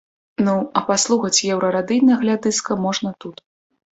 Ну, а паслухаць еўрарадыйны агляд дыска можна тут.